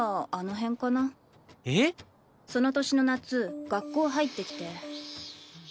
その年の夏学校入ってきて。